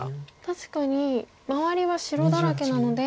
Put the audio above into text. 確かに周りは白だらけなので。